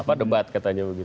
apa debat katanya begitu